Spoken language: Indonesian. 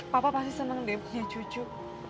papa pasti senang deh punya cucu